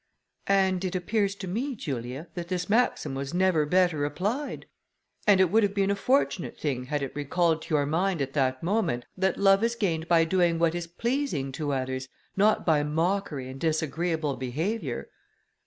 "And, it appears to me, Julia, that this maxim was never better applied; and it would have been a fortunate thing had it recalled to your mind at that moment, that love is gained by doing what is pleasing to others, not by mockery and disagreeable behaviour."